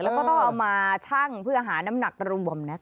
แล้วก็ต้องเอามาชั่งเพื่อหาน้ำหนักรวม